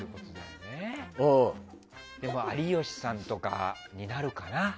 でも、有吉さんとかになるかな。